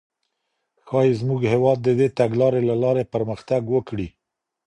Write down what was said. ښايي زموږ هیواد د دې تګلاري له لاري پرمختګ وکړي.